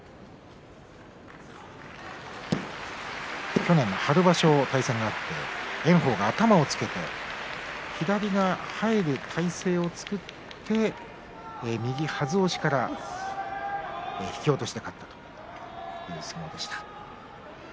去年春場所、対戦があって炎鵬が頭をつけて左に入る体勢を作って右はず押しから引き落としで勝ったという相撲でした。